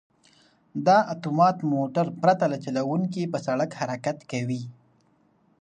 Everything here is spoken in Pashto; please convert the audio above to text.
دا اتومات موټر پرته له چلوونکي په سړک حرکت کوي.